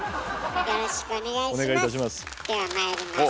よろしくお願いします。